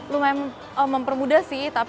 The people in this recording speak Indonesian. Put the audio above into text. lumayan mempermudah sih